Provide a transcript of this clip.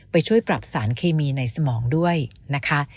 ช่วยปรับสารเคมีในสมองด้วยนะคะ